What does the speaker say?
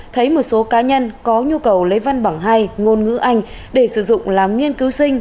thấy một số cá nhân có nhu cầu lấy văn bằng hai ngôn ngữ anh để sử dụng làm nghiên cứu sinh